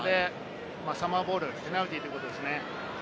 サモアボール、ペナルティーということですね。